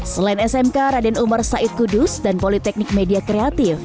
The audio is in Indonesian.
selain smk raden umar said kudus dan politeknik media kreatif